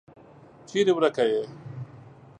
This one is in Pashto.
چیري ورکه یې ؟